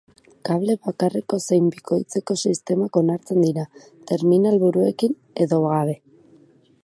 Kable bakarreko zein bikoitzeko sistemak onartzen dira, terminal-buruekin edo gabe.